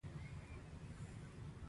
پخو حرفو کې درد پټ وي